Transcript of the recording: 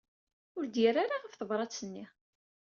Ur d-yerri ara ɣef tebṛat-nni.